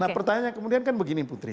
nah pertanyaan kemudian kan begini putri